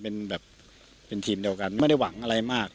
เป็นแบบเป็นทีมเดียวกันไม่ได้หวังอะไรมาก